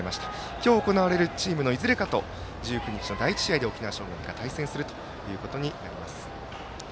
今日行われるチームのいずれかと１９日の第１試合で沖縄尚学が対戦することになります。